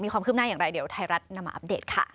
ความคืบหน้าอย่างไรเดี๋ยวไทยรัฐนำมาอัปเดตค่ะ